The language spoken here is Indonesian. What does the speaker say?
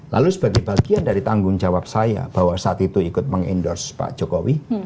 lalu sebagai bagian dari tanggung jawab saya bahwa saat itu ikut mengendorse pak jokowi